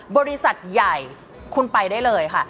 บริษัทใหญ่คุณไปได้เลยค่ะ